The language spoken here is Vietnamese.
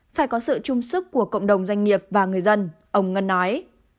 phải có sự trung sức của cộng đồng doanh nghiệp và người dân ông ngân nói